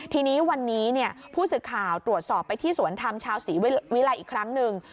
ทีนี้วันนี้ผู้สื่อข่าวตรวจสอบไปที่สวนธรรมชาวศรีวิลัยอีกครั้งหนึ่ง